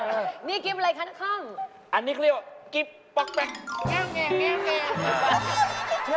นี่กิ๊บอะไรคะนะครับ